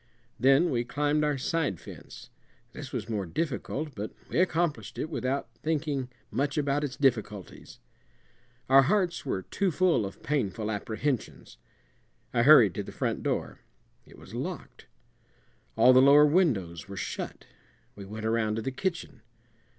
Then we climbed our side fence. This was more difficult, but we accomplished it without thinking much about its difficulties; our hearts were too full of painful apprehensions. I hurried to the front door; it was locked. All the lower windows were shut. We went around to the kitchen.